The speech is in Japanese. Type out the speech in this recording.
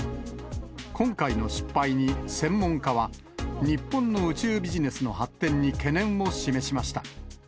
今回の失敗に、専門家は、日本の宇宙ビジネスの発展に懸念を示しました。